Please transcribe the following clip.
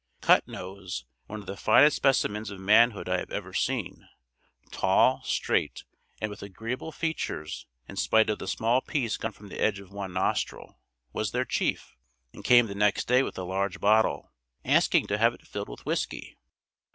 Cut Nose, one of the finest specimens of manhood I have ever seen, tall, straight and with agreeable features in spite of the small piece gone from the edge of one nostril, was their chief, and came the next day with a large bottle, asking to have it filled with whiskey.